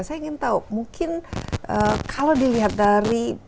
saya ingin tahu mungkin kalau dilihat dari